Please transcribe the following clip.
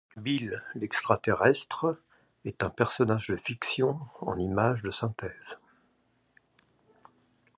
Bill l'extraterrestre est un personnage de fiction en images de synthèse.